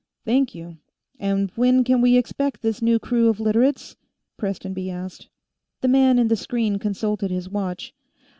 "Thank you. And when can we expect this new crew of Literates?" Prestonby asked. The man in the screen consulted his watch.